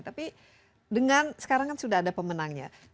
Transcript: tapi dengan sekarang kan sudah ada pemenangnya